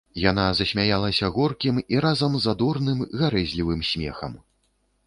Яна засмяялася горкім і разам задорным, гарэзлівым смехам.